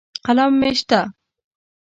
قلم مې شته.